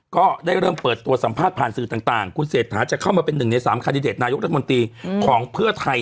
ก็ได้เริ่มเปิดตัวสัมภาษณ์ผ่านสื่อต่างคุณเศรษฐาจะเข้ามาเป็นหนึ่งในสามคันดิเดตนายกรัฐมนตรีของเพื่อไทย